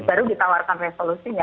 baru ditawarkan resolusinya